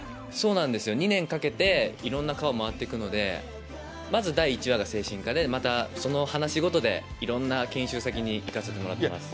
２年かけて、いろんな科を回っていくので、まず第１話が精神科で、またその話ごとで、いろんな研修先に行かせてもらっています。